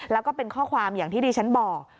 แล้วก็เป็นข้อความอย่างที่ดิฉันบอก